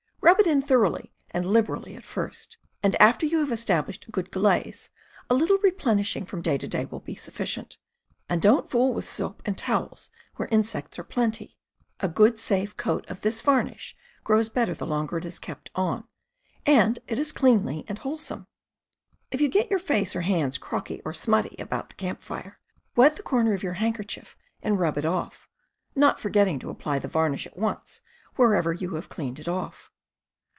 Rub it in thoroughly and liberally at first, and after you have established a good glaze, a little replenish ing from day to day will be sufficient. And don't fool with soap and towels where insects are plenty. A good safe coat of this varnish grows better the longer it is kept on — and it is cleanly and wholesome. If you get your face or hands crocky or smutty about the camp fire, wet the corner of your handker chief and rub it off, not forgetting to apply the varnish at once wherever you have cleaned it off.